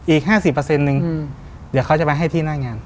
อีก๕๐นึงเดี๋ยวเขาจะไปให้ที่หน้างาน